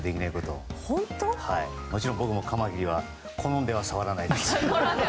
もちろん、僕もカマキリは好んでは触らないです。